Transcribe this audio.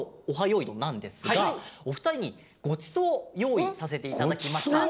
よいどん」なんですがおふたりにごちそうをよういさせていただきました。